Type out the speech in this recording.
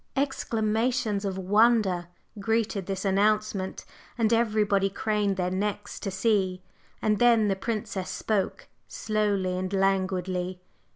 Exclamations of wonder greeted this announcement, and everybody craned their necks to see. And then the Princess spoke, slowly and languidly.